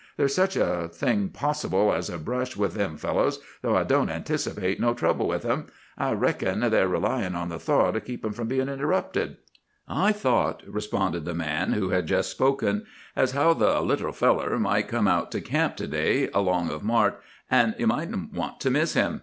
There's such a thing possible as a brush with them fellows, though I don't anticipate no trouble with 'em. I reckon they're relyin' on the thaw to keep 'em from bein' interrupted.' "'I thought,' responded the man who had just spoken, 'as how the "little feller" might come out to camp to day, along of Mart, an' you mightn't want to miss him.